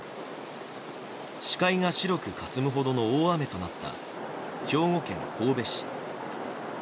視界が白くかすむほどの大雨となった兵庫県神戸市。